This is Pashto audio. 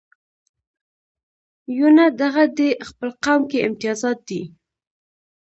یونه دغه دې خپل قوم کې امتیازات دي.